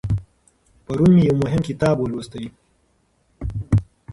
پرون مې یو مهم کتاب ولوست.